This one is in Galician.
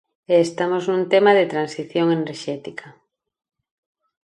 E estamos nun tema de transición enerxética.